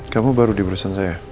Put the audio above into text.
kamu baru di perusahaan saya